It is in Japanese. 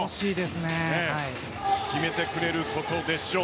決めてくれることでしょう。